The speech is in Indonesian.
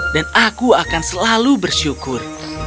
dan aku akan selalu bersyukur